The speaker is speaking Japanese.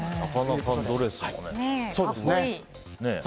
なかなかドレスもいいですね。